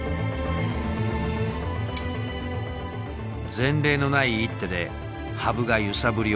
前例のない一手で羽生が揺さぶりをかける。